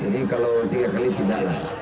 jadi kalau tiga kali tidak lah